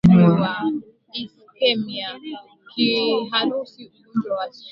Mwanamke ataamua mwenyewe kama atajiunga na mgeni huyo